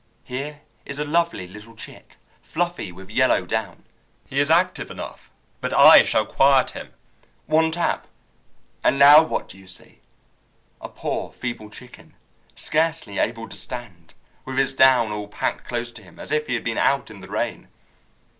Here is a lovely little chick, fluffy with yellow down. He is active enough, but I shall quiet him. One tap, and now what do you see? A poor, feeble chicken, scarcely able to stand, with his down all packed close to him as if he had been out in the rain.